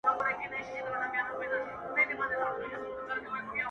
• کتاب د انسان ذهن ته پراختيا ورکوي او نوې مفکورې رامنځته کوي -